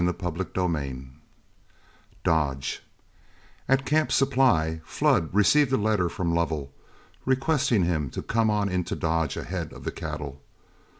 '" CHAPTER XIII DODGE At Camp Supply, Flood received a letter from Lovell, requesting him to come on into Dodge ahead of the cattle.